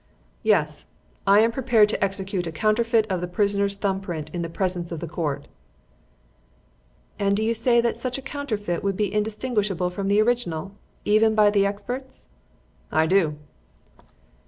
"Yes. I am prepared to execute a counterfeit of the prisoner's thumb print in the presence of the Court." "And do you say that such a counterfeit would be indistinguishable from the original, even by the experts?" "I do."